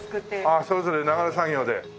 ああそれぞれ流れ作業で。